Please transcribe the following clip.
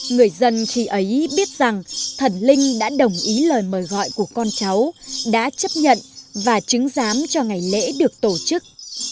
người dân khi ấy biết rằng thần linh đã đồng ý lời mời gọi của con cháu đã chấp nhận và chứng giám cho ngày lễ được tổ chức